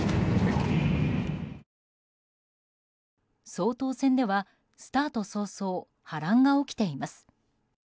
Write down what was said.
総統選ではスタート早々波乱が起きています。